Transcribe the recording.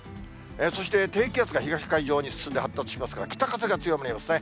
そして、低気圧が東海上に進んで発達しますから、北風が強くなりますね。